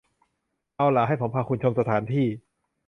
เอาละ ให้ผมพาคุณชมสถานที่